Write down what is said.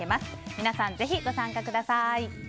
皆さんのぜひご参加ください。